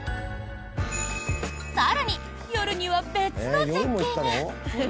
更に、夜には別の絶景が！